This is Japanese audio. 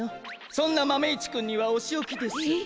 そんなマメ１くんにはおしおきです。え？